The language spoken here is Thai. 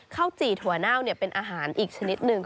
จี่ถั่วเน่าเป็นอาหารอีกชนิดหนึ่ง